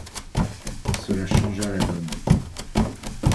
Cela changea la donne.